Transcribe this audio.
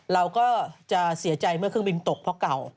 เราก็จะเสียใจเมื่อเครื่องบินตกเพราะเก่า